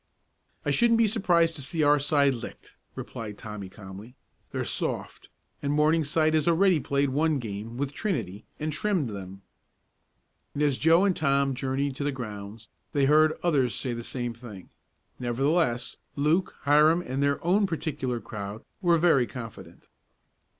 "I shouldn't be surprised to see our side licked," replied Tommy calmly. "They're soft, and Morningside has already played one game with Trinity and trimmed them." And as Joe and Tom journeyed to the grounds they heard others say the same thing. Nevertheless, Luke, Hiram and their own particular crowd were very confident.